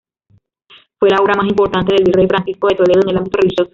Fue la obra más importante del virrey Francisco de Toledo en el ámbito religioso.